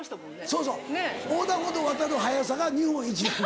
そうそう横断歩道渡る速さが日本一なんです。